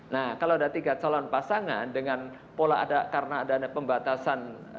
nah kalau ada tiga calon pasangan dengan pola ada karena ada pembatasan